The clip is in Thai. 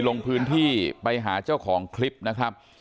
ลงพื้นที่ไปหาเจ้าของคลิปนะครับ